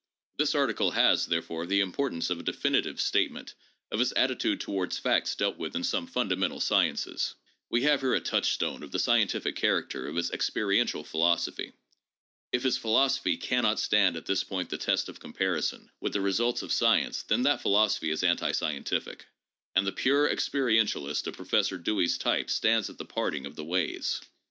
This article has therefore the im portance of a definitive statement of his attitude towards facts dealt with in some fundamental sciences. We have here a touch stone of the scientific character of his experiential philosophy. If his philosophy cannot stand at this point the test of comparison with the results of science, then that philosophy is anti scientific; and the pure experientialist of Professor Dewey's type stands at the parting of the ways.